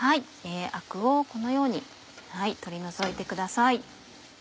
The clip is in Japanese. アクをこのように取り除いてください。